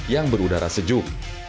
yang berudara sejuk